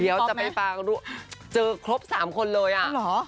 เดี๋ยวจะไปฟังเลยเจอครบสามคนเลยอ่ะ